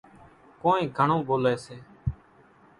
ڪونئين گھڻون ٻوليَ سي۔